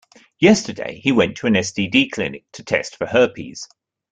Yesterday, he went to an STD clinic to test for herpes.